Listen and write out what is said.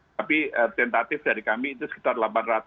tapi tentatif dari kami itu sekitar delapan ratus